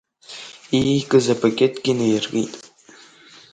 Иикыз апакетгьы наииркит.